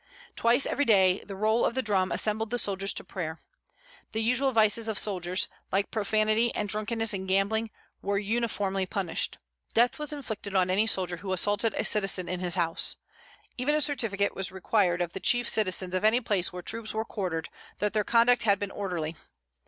"Twice every day the roll of the drum assembled the soldiers to prayer. The usual vices of soldiers, like profanity and drunkenness and gambling, were uniformly punished. Death was inflicted on any soldier who assaulted a citizen in his house. Even a certificate was required of the chief citizens of any place where troops were quartered, that their conduct had been orderly.